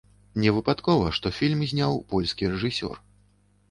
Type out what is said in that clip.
Не выпадкова, што фільм зняў польскі рэжысёр.